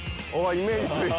イメージ。